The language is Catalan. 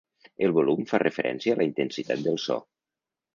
El volum fa referència a la intensitat del so.